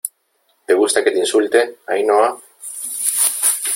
¿ te gusta que te insulte , Ainhoa ?